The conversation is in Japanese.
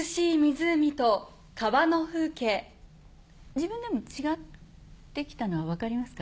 自分でも違ってきたのは分かりますか？